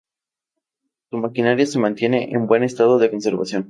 Su maquinaria se mantiene en buen estado de conservación.